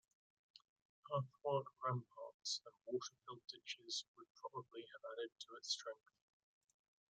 Earthwork ramparts and water filled ditches would probably have added to its strength.